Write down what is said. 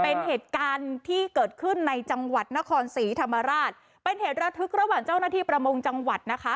เป็นเหตุการณ์ที่เกิดขึ้นในจังหวัดนครศรีธรรมราชเป็นเหตุระทึกระหว่างเจ้าหน้าที่ประมงจังหวัดนะคะ